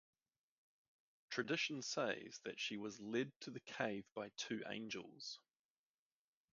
Tradition says that she was led to the cave by two angels.